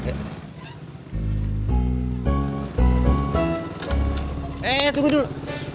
eh tunggu dulu